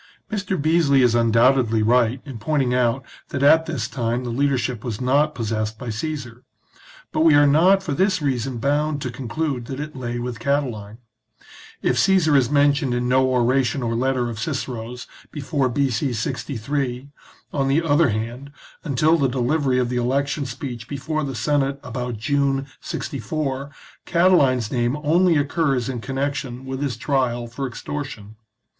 Mr. Beesly is undoubtedly right in pointing out that at this time the leadership was not possessed by Caesar ; but we are not for this reason bound to conclude that it lay with Catiline. If Caesar is men tioned in no oration or letter of Cicero's before B.C. 63, on the other hand, until the delivery of the election speech before the Senate about June, 64, Catiline's name only occurs in connection with his trial for ex tortion.